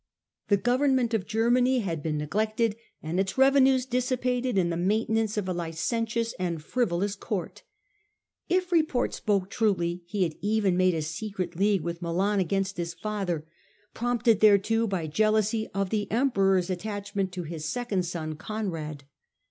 The government of Germany had been neglected and its revenues dissipated in the maintenance of a licentious and frivolous Court. If report spoke truly he had even made a secret league with Milan against his father, prompted thereto by jealousy of the Emperor's attachment to his second son Conrad.